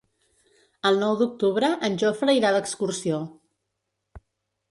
El nou d'octubre en Jofre irà d'excursió.